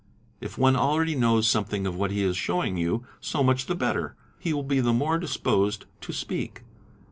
If one already knows © something of what he is showing you, so much the better; he will be the more disposed to speak.